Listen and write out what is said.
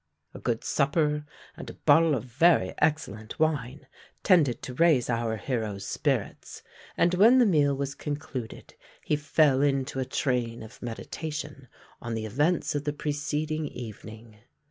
A good supper and a bottle of very excellent wine tended to raise our hero's spirits: and when the meal was concluded, he fell into a train of meditation on the events of the preceding evening.